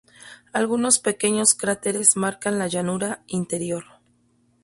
Algunos pequeños cráteres marcan la llanura interior.